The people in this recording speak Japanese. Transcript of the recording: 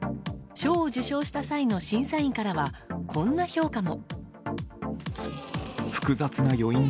賞を受賞した際の審査員からはこんな評価も。